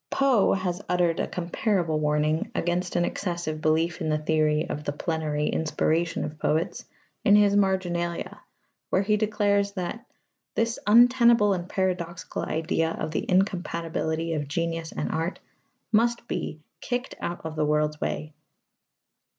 Poe has uttered a comparable warning against an excessive belief in the theory of the plenary inspiration of poets in his Marginalia, where he declares that "this untenable and paradoxical idea of the incompatibility of genius and art" must be "kick[ed] out of the world's way."